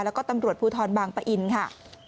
แล้วก็ตำรวจภูทรบางปะอินค่ะ